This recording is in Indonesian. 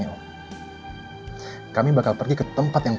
gak bisa dibuat kan